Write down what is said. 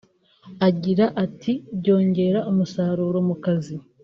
Agira ati "Byongera umusaruro mu kazi